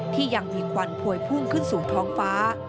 ที่ยังมีควันพวยพุ่งขึ้นสู่ท้องฟ้า